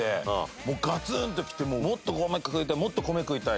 もうガツンときてもっと米食いたいもっと米食いたい。